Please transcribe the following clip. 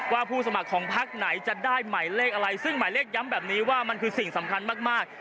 ผู้สมัครของพักไหนจะได้หมายเลขอะไรซึ่งหมายเลขย้ำแบบนี้ว่ามันคือสิ่งสำคัญมาก